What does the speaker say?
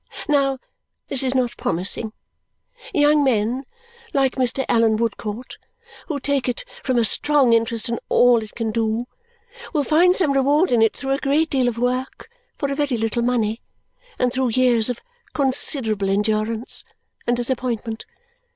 Now, this is not promising. Young men like Mr. Allan Woodcourt who take it from a strong interest in all that it can do will find some reward in it through a great deal of work for a very little money and through years of considerable endurance and disappointment.